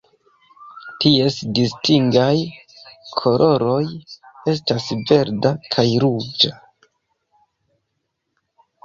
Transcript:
Ties distingaj koloroj estas verda kaj ruĝa.